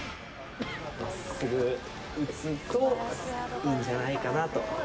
まっすぐ打つと、いいんじゃないかなと。